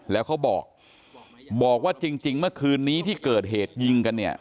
แล้วเขาบอกบอกว่าจริงเมื่อคืนนี้ที่เกิดเหตุยิงกันเนี่ย